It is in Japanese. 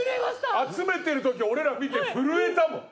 集めてる時俺ら見て震えたもん。